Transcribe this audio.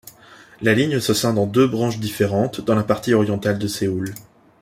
La ligne se scinde en deux branches différentes dans la partie orientale de Séoul.